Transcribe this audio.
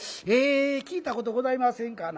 聞いたことございませんかな